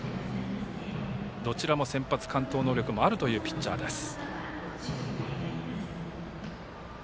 どちらも先発完投能力があるピッチャーです。